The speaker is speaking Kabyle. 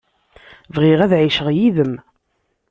Bɣiɣ ad ɛiceɣ yid-m.